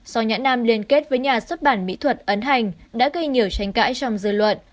do nhãn nam liên kết với nhà xuất bản mỹ thuật ấn hành đã gây nhiều tranh cãi trong dư luận